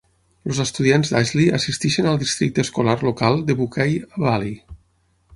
Els estudiants d'Ashley assisteixen al districte escolar local de Buckeye Valley.